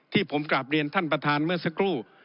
ที่ผมกลับเรียนท่านประธานเมื่อสักครู่